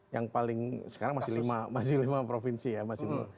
yang paling sekarang masih lima provinsi ya mas ibu